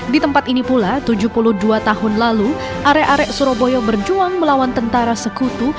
di tempat ini pula tujuh puluh dua tahun lalu arek arek surabaya berjuang melawan tentara sekutu